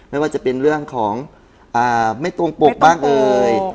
ไม่ว่าจะเป็นเรื่องของไม่ตรงปกบ้างเอ่ย